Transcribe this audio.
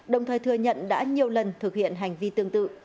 đồng thời thừa nhận đã nhiều lần thực hiện hành vi tương tự